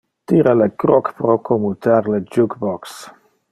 Tira le croc pro commutar le jukebox.